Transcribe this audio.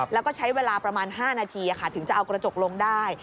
แล้วก็ใช้เวลาประมาณ๕นาทีถึงจะเอากระจกลงได้